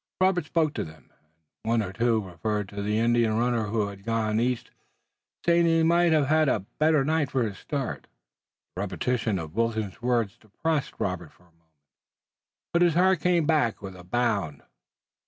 Robert spoke to them, and one or two referred to the Indian runner who had gone east, saying that he might have had a better night for his start. The repetition of Wilton's words depressed Robert for a moment, but his heart came back with a bound.